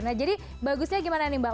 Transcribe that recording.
nah jadi bagusnya gimana nih mbak